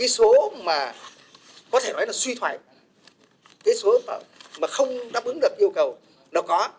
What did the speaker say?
số mà có thể nói là suy thoái cái số mà không đáp ứng được yêu cầu nó có